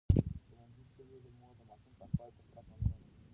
ښوونځې تللې مور د ماشوم پاکوالي ته پوره پاملرنه کوي.